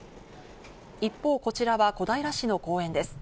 一方、こちらは小平市の公園です。